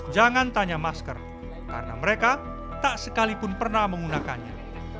jangan tanya masker karena mereka tak sekalipun pernah menggunakannya